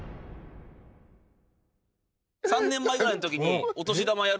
３年前ぐらいのときに。